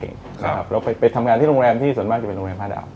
แล้วไปทำงานที่โรงแรมที่ส่วนมากจะเป็นโรงแรมผ้าดำ